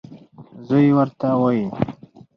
زوی یې ورته وايي: